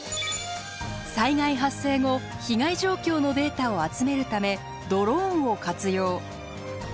災害発生後被害状況のデータを集めるためドローンを活用。